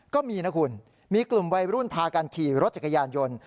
ก็มีนะคุณมีกลุ่มวัยรุ่นพากันขี่รถจักรยานยนต์